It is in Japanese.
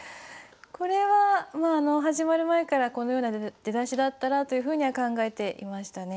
これは始まる前からこのような出だしだったらというふうには考えていましたね。